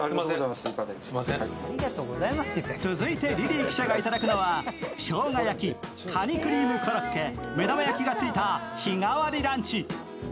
続いてリリー記者が頂くのは、しょうが焼き、カニクリームコロッケ、目玉焼きがついた日替わりランチ。